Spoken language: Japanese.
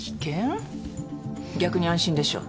逆に安心でしょ。